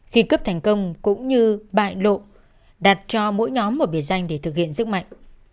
khi cướp thành công cũng như bại lộ đặt cho mỗi nhóm ở biển danh để thực hiện sức mạnh